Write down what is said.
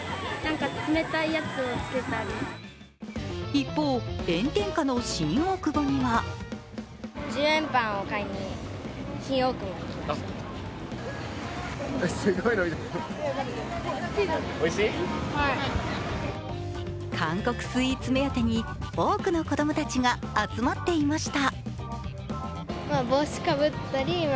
一方、炎天下の新大久保には韓国スイーツ目当てに多くの子供たちが集まっていました。